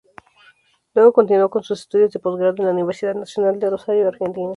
Luego continúo con sus estudios de Posgrado en la Universidad Nacional de Rosario, Argentina.